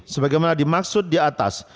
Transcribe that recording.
sebagaimana dimaksud di atas